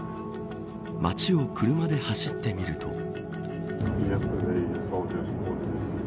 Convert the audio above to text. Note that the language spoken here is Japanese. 街を車で走ってみると。